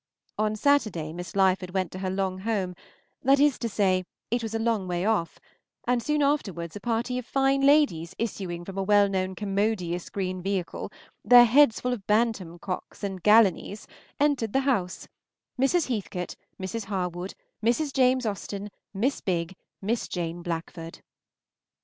On Saturday Miss Lyford went to her long home, that is to say, it was a long way off, and soon afterwards a party of fine ladies issuing from a well known commodious green vehicle, their heads full of Bantam cocks and Galinies, entered the house, Mrs. Heathcote, Mrs. Harwood, Mrs. James Austen, Miss Bigg, Miss Jane Blachford.